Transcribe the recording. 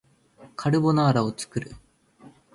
カルボナーラを作る